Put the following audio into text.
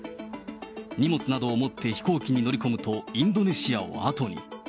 荷物などを持って飛行機に乗り込むと、インドネシアを後に。